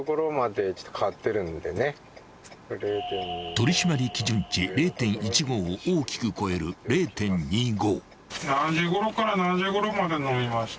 ［取り締まり基準値０．１５を大きく超える０．２５］